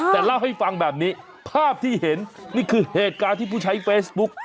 แต่เล่าให้ฟังแบบนี้ภาพที่เห็นนี่คือเหตุการณ์ที่ผู้ใช้เฟซบุ๊ก